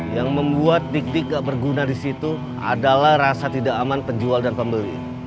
yang membuat dik dik gak berguna disitu adalah rasa tidak aman penjual dan pembeli